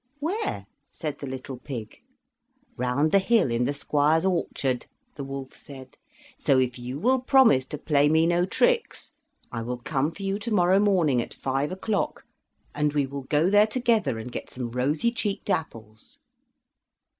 "Where?" said the little pig. "Round the hill in the squire's orchard," the wolf said. "So if you will promise to play me no tricks, I will come for you tomorrow morning at five o'clock, and we will go there together and get some rosy cheeked apples."